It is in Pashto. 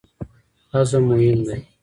هضم مهم دی.